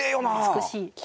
美しい。